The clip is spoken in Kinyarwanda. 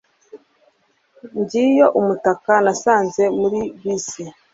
ngiyo umutaka nasanze muri bisi